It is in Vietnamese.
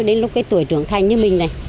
đến lúc cái tuổi trưởng thành như mình này